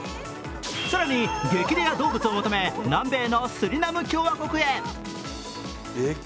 更に激レア動物を求め南米のスリナム共和国へ。